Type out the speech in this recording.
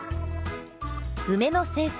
梅の生産